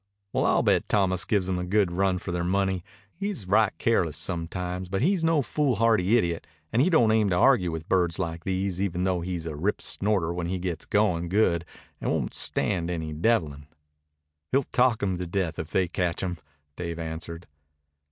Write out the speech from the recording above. Well, I'll bet Thomas gives 'em a good run for their money. He's right careless sometimes, but he's no foolhardy idiot and he don't aim to argue with birds like these even though he's a rip snorter when he gets goin' good and won't stand any devilin'." "He'll talk them to death if they catch him," Dave answered.